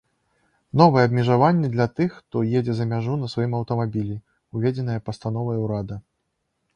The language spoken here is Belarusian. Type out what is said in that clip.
Новае абмежаванне для тых, хто едзе за мяжу на сваім аўтамабілі, уведзенае пастановай урада.